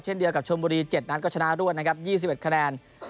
เดียวกับชนบุรี๗นัดก็ชนะรวดนะครับ๒๑คะแนน